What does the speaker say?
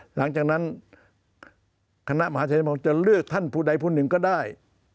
หลังจากนั้นคณะมหาชัยมองจะเลือกท่านผู้ใดผู้หนึ่งก็ได้